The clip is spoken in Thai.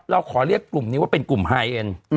เราขอเรียกกลุ่มนี้ว่าเป็นกลุ่มไฮเอ็น